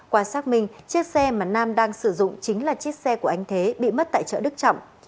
qua xác minh chiếc xe mà nam đang sử dụng chính là chiếc xe của anh thế bị mất tại chợ đức trọng